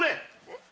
えっ？